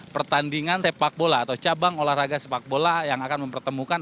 pertandingan sepak bola atau cabang olahraga sepak bola yang akan mempertemukan